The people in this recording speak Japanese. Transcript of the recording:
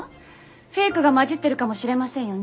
フェイクが混じってるかもしれませんよね？